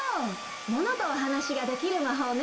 モノとおはなしができるまほうね。